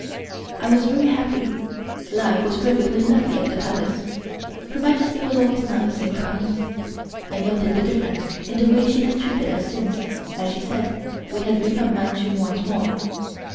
I was very happy. Life was perfectly lovely at the Palace. Her Majesty was always nice and kind. I noticed the difference in the way she had treated us since (as she said) we had become Manchus once more.